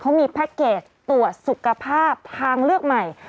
เขามีแพ็คเกจตรวจสุขภาพทางเลือกใหม่